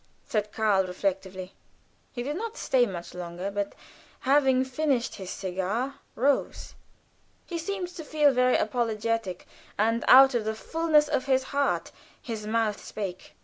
said Karl, reflectively. He did not stay much longer, but having finished his cigar, rose. He seemed to feel very apologetic, and out of the fullness of his heart his mouth spake.